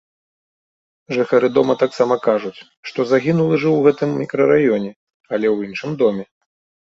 Жыхары дома таксама кажуць, што загінулы жыў у гэтым мікрараёне, але ў іншым доме.